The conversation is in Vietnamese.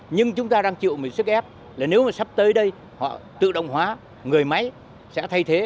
nhưng chúng ta đang chịu một sức ép là nếu mà sắp tới đây họ tự động hóa người máy sẽ thay thế